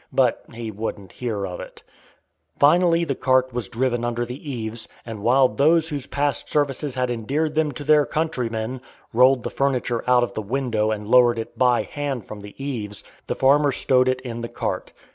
But he wouldn't hear of it. Finally, the cart was driven under the eaves, and while "those whose past services had endeared them to their countrymen" rolled the furniture out of the window and lowered it "by hand" from the eaves, the farmer stowed it in the cart.